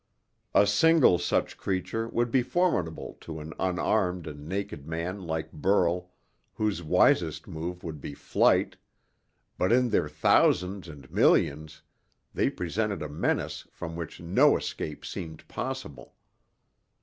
A single such creature would be formidable to an unarmed and naked man like Burl, whose wisest move would be flight, but in their thousands and millions they presented a menace from which no escape seemed possible.